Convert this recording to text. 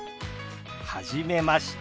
はじめまして。